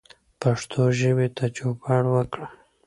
پښتو ژبې ته چوپړ وکړئ